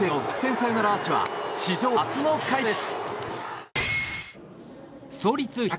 サヨナラアーチは史上初の快挙です。